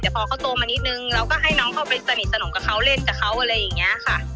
แต่พอเขาโตมานิดนึงเราก็ให้น้องเข้าไปสนิทสนมกับเขาเล่นกับเขาอะไรอย่างนี้ค่ะ